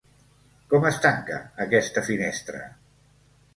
Com es tanca aquesta finestra?